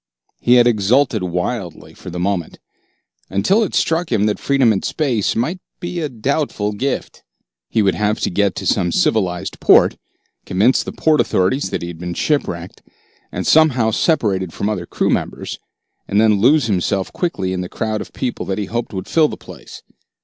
He had exulted wildly for a moment, until it struck him that freedom in space might be a doubtful gift. He would have to get to some civilized port, convince the port authorities that he had been shipwrecked and somehow separated from the other crew members, and then lose himself quickly in the crowd of people that he hoped would fill the place.